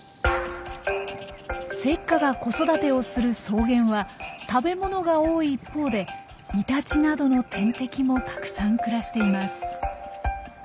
セッカが子育てをする草原は食べ物が多い一方でイタチなどの天敵もたくさん暮らしています。